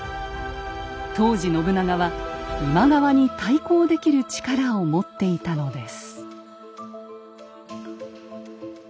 当時信長は今川に対抗できる力を持っていたのです。